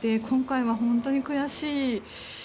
今回は本当に悔しい。